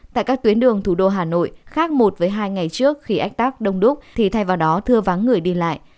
tại các tuyến đường thủ đô hà nội khác một với hai ngày trước khi ách tắc đông đúc thì thay vào đó thưa vắng người đi lại